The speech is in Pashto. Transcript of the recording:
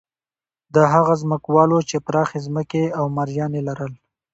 دا هغه ځمکوال وو چې پراخې ځمکې او مریان یې لرل.